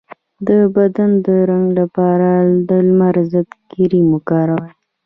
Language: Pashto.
د بدن د رنګ لپاره د لمر ضد کریم وکاروئ